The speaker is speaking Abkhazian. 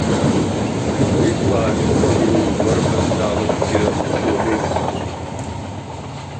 Аублаа зхылаҳәоу уарбанзаалакгьы ухы уамеигӡан!